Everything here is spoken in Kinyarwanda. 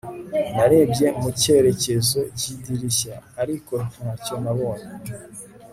narebye mu cyerekezo cy'idirishya, ariko ntacyo nabonye